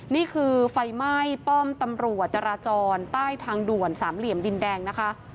นี่คือไฟไหม้ป้อมตำรวจจราจรใต้ทางด่วนสามเหลี่ยมดินแดงนะคะ